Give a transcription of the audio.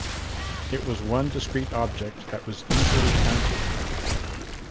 It was one discrete object that was easily counted.